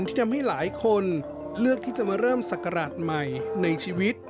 ที่ทำให้หลายคนเลือกที่จะมาเริ่มศักราชใหม่ในชีวิต